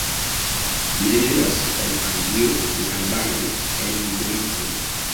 Li devenas el familio de albanoj enmigrintoj.